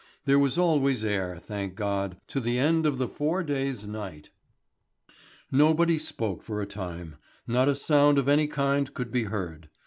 There was always air, thank God, to the end of the Four Days' Night. Nobody spoke for a time. Not a sound of any kind could be heard.